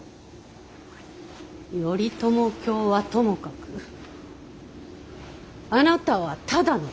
頼朝卿はともかくあなたはただの東夷。